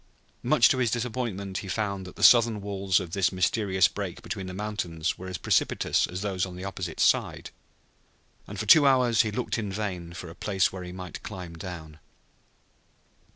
Much to his disappointment he found that the southern walls of this mysterious break between the mountains were as precipitous as those on the opposite side, and for two hours he looked in vain for a place where he might climb down.